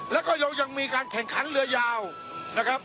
แล้วก็เรายังมีการแข่งขันเรือยาวนะครับ